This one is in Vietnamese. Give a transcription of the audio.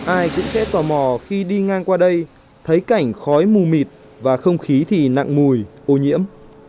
ai cũng sẽ tò mò khi đi ngang qua đây thấy cảnh khói mù mịt và không khí thì nặng mùi ô nhiễm